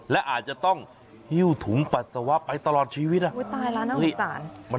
และอาจจะต้องหิ้วถุงปัสสาวะไปตลอดชีวิตนะ